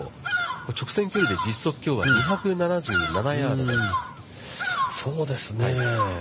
直線距離で実測きょうは２７７ヤードです。